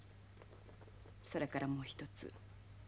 それからもう一つ。